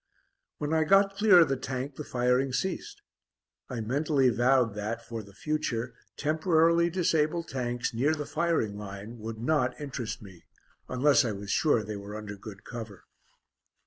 When I got clear of the Tank, the firing ceased. I mentally vowed that, for the future, temporarily disabled Tanks near the firing line would not interest me, unless I was sure they were under good cover.